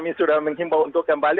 kami sudah menghimbau untuk kembali